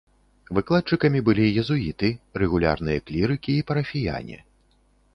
Выкладчыкамі былі езуіты, рэгулярныя клірыкі і парафіяне.